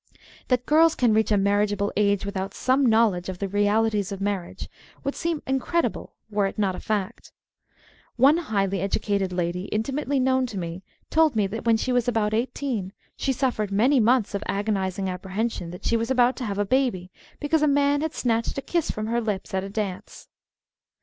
That girls can reach a marriageable age without some knowledge of the realities of marriage would seem incredible were it not a fact. One highly educated lady intimately known to me told me that when she was about eighteen she suffered many months of agonising apprehension that she was about to have a baby because a man had snatched a kiss from her lips at a dance.